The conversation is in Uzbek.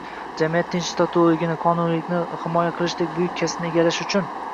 Jamiyatning tinch-totuvligini, qonuniylikni himoya qilishdek buyuk kasbni egallash uchun